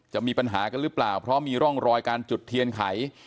จะมีปัญหากันหรือเปล่าเพราะมีร่องรอยการจุดเทียนไข